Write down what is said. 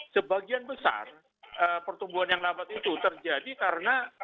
sebagian besar pertumbuhan yang lambat itu terjadi karena